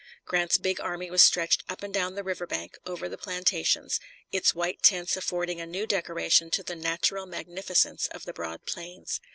Grant's big army was stretched up and down the river bank over the plantations, its white tents affording a new decoration to the natural magnificence of the broad plains.